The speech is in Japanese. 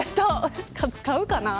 買うかな。